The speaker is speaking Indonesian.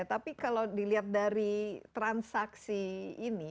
tapi kalau dilihat dari transaksi ini